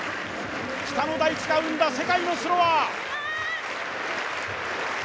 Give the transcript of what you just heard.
北の大地が生んだ世界のスローワー。